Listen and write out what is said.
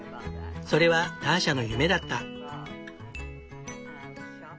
それはターシャの夢だった。